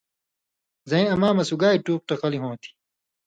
زَیں اماں مہ سُگائ ٹوق ٹقلی ہوں تھی